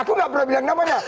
aku nggak pernah bilang namanya